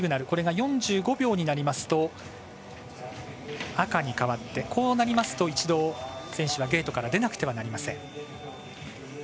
これが４５秒になりますと赤に変わって、こうなりますと一度、選手はゲートから出なくてはなりません。